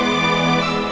jangan bawa dia